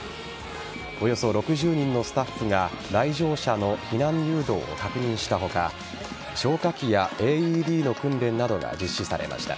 およそ６０人のスタッフが来場者の避難誘導を確認した他消火器やＡＥＤの訓練などが実施されました。